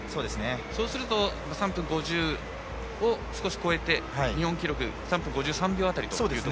そうすると３分５０を少し超えて日本記録の３分５３秒辺りと。